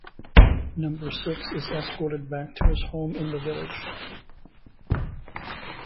Number Six is escorted back to his home in the Village.